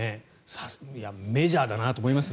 やっぱりメジャーだなと思いますね。